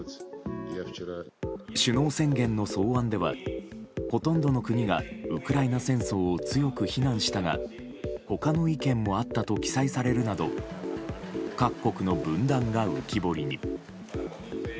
首脳宣言の草案ではほとんどの国がウクライナ戦争を強く非難したが他の意見もあったと記載されるなど各国の分断が浮き彫りに。